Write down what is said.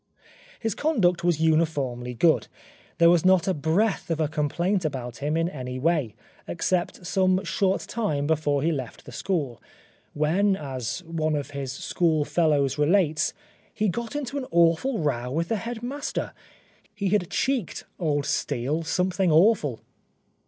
His conduct was uniformly good. There was not a breath of a complaint about him in any way, except some short time before he left the school, when, as one of his schoolfellows relates, " he got into an awful row with the headmaster. He had cheeked old Steele something awful."